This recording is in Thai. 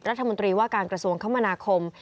รัฐมนตรีว่าการกระทรวงคมนาคม